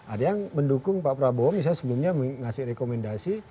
ada yang mendukung pak prabowo misalnya sebelumnya ngasih rekomendasi